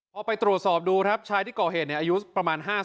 พอไปตรวจสอบดูครับชายที่ก่อเหตุอายุประมาณ๕๐